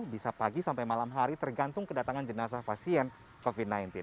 bisa pagi sampai malam hari tergantung kedatangan jenazah pasien covid sembilan belas